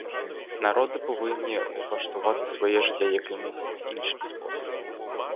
Народи повинні улаштувати своє життя якимсь іншим способом.